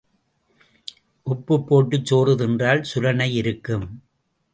உப்புப் போட்டுச் சோறு தின்றால் சுரணை இருக்கும்.